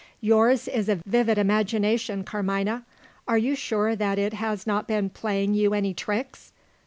Yours is a vivid imagination, Carmina. Are you sure that it has not been playing you any tricks?"